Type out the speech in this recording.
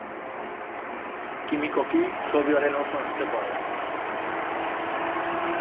Kimikoki sodioaren oso antzekoa da.